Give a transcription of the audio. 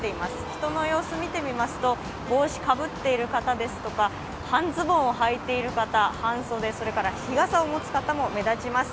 人の様子を見てみますと、帽子をかぶっている方ですとか半ズボンをはいている方、半袖、日傘を持つ方も目立ちます。